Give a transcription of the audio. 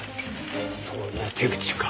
そういう手口か。